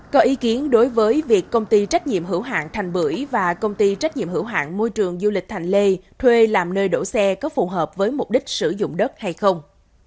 có ý kiến đối với việc công ty trách nhiệm hữu hạng thành bưởi và công ty trách nhiệm hữu hạng môi trường du lịch thành lê thuê làm nơi đổ xe có phù hợp với mục đích sử dụng đất hay không